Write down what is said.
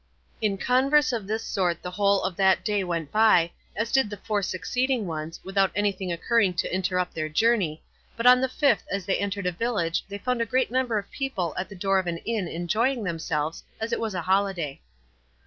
In converse of this sort the whole of that day went by, as did the four succeeding ones, without anything occurring to interrupt their journey, but on the fifth as they entered a village they found a great number of people at the door of an inn enjoying themselves, as it was a holiday.